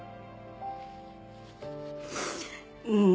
うん。